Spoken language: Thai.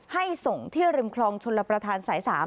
ให้ส่งที่ริมคลองชลประธานสาย๓